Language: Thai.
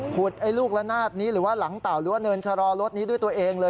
ไอ้ลูกละนาดนี้หรือว่าหลังเต่าหรือว่าเนินชะลอรถนี้ด้วยตัวเองเลย